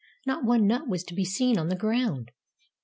Not one nut was to be seen on the ground.